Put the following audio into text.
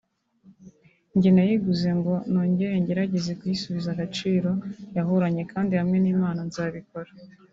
njye nayiguze ngo nongere ngerageze kuyisubiza agaciro yahoranye kandi hamwe n’Imana nzabikora